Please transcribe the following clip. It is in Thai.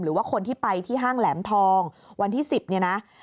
หรือว่าคนที่ไปที่ห้างแหลมทองวันที่๑๐เนี่ยนะ